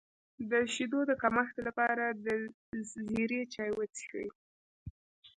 د شیدو د کمښت لپاره د زیرې چای وڅښئ